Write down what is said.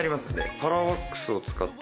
カラーワックスを使って。